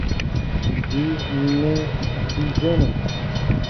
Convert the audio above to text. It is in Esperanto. Vi ne divenos.